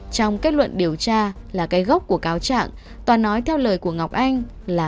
trong kết luận điều tra là cái gốc của cáo trạng tòa nói theo lời của ngọc anh là